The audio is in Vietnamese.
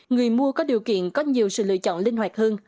người mua có điều kiện có nhiều sự lựa chọn linh hoạt hơn